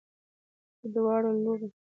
چې دواړو لورو